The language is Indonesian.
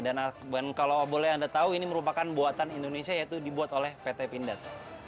dan kalau boleh anda tahu ini merupakan buatan indonesia yaitu dibuat oleh pt pindad